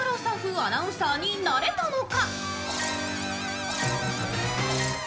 アナウンサーになれたのか。